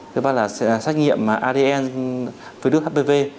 thứ ba là xét nghiệm adn virus hpv